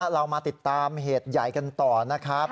เรามาติดตามเหตุใหญ่กันต่อนะครับ